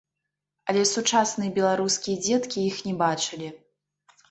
Але сучасныя беларускія дзеткі іх не бачылі.